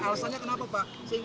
alasannya kenapa pak